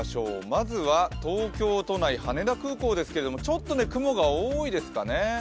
まずは、東京都内、羽田空港ですけれどもちょっと雲が多いですかね。